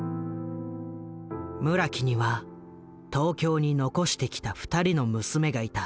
村木には東京に残してきた２人の娘がいた。